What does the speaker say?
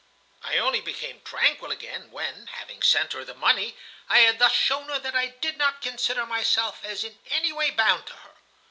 I only became tranquil again when, having sent her the money, I had thus shown her that I did not consider myself as in any way bound to her.